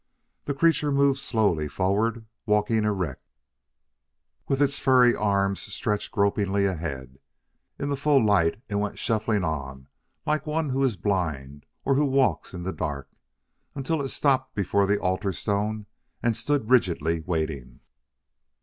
The creature moved slowly forward, walking erect, with its furry arms stretched gropingly ahead. In the full light it went shuffling on like one who is blind or who walks in the dark, until it stopped before the altar stone and stood rigidly waiting.